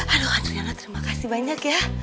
aduh alhamdulillah terima kasih banyak ya